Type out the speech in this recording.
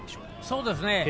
そうですね。